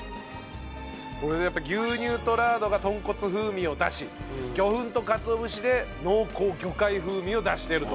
これやっぱ牛乳とラードが豚骨風味を出し魚粉とかつお節で濃厚魚介風味を出していると。